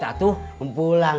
bapak betatu aku mau pulang